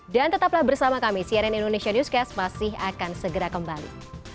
dan tetaplah bersama kami cnn indonesia newscast masih akan segera kembali